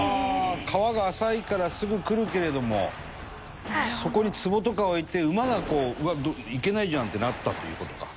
川が浅いからすぐ来るけれどもそこに壺とか置いて馬がこううわっ行けないじゃん！ってなったっていう事か。